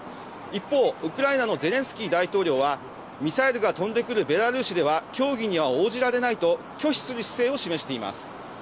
一方、ウクライナのゼレンスキー大統領は、ミサイルが飛んでくるベラルーシでは、協議には応じられないと、拒否する姿勢を示しています。